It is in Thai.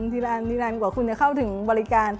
ทีละอันกว่าคุณจะเข้าถึงบริการ